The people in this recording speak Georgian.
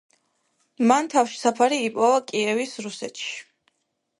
მან თავშესაფარი იპოვა კიევის რუსეთში.